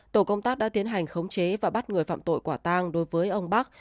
tổ công tác đã tiến hành khống chế và bắt người phạm tội quả tang đối với ông bắc